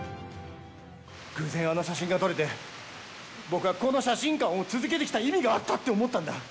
偶然あの写真が撮れて、僕はこの写真館を続けてきた意味があったって思ったんだ。